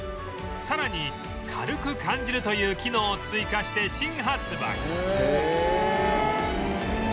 さらに軽く感じるという機能を追加して新発売へえ！